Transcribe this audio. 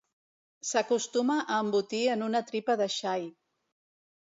S'acostuma a embotir en una tripa de xai.